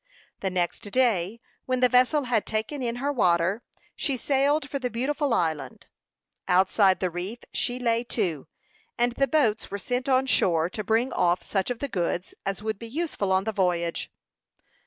The next day, when the vessel had taken in her water, she sailed for the beautiful island. Outside the reef she lay to, and the boats were sent on shore to bring off such of the goods as would be useful on the voyage.